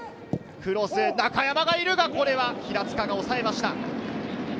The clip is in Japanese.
クロス、中山がいるが、これは平塚がおさえました。